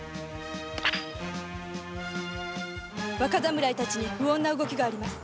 若侍たちに不穏な動きがあります。